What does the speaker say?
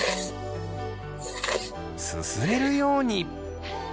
すすれるように！